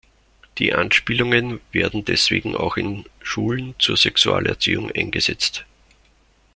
Die Anspielungen werden deswegen auch in Schulen zur Sexualerziehung eingesetzt.